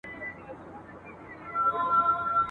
دا زوی مړې بله ورځ به کله وي !.